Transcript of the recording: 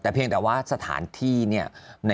แต่เพียงแต่ว่าสถานที่เนี่ย